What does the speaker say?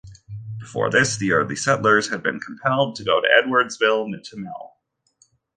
Before this, the early settlers had been compelled to go to Edwardsville to mill.